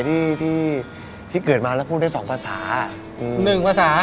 คือเกิดมาแล้วพูดโดย๒ภาษา